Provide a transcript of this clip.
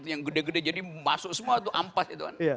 yang gede gede jadi masuk semua tuh ampas